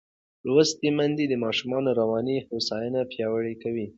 لوستې میندې د ماشوم رواني هوساینه پیاوړې کوي.